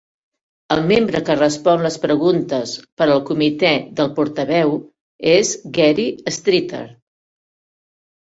El membre que respon les preguntes per al comitè del portaveu és Gary Streeter.